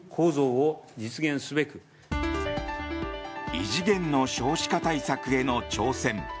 異次元の少子化対策への挑戦。